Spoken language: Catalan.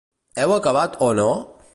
Heu acabat o no?